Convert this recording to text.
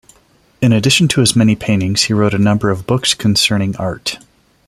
In addition to his many paintings, he wrote a number of books concerning art.